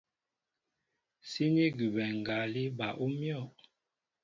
Síní gúbɛ ngalí bal ú myɔ̂.